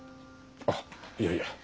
あっいやいや。